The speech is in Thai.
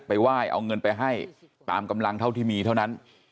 ไหว้เอาเงินไปให้ตามกำลังเท่าที่มีเท่านั้น